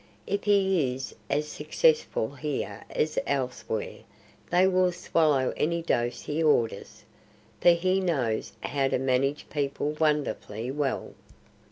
If he is as successful here as elsewhere they will swallow any dose he orders; for he knows how to manage people wonderfully well.